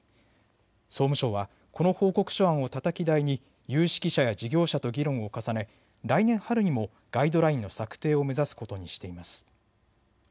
総務省はこの報告書案をたたき台に有識者や事業者と議論を重ね来年春にもガイドラインの策定を目指すことにしています。